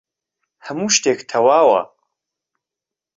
هەموو شتێک تەواوە.